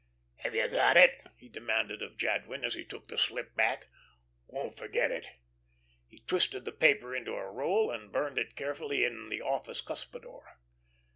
"Have you got it?" he demanded of Jadwin, as he took the slip back. "Won't forget it?" He twisted the paper into a roll and burned it carefully in the office cuspidor.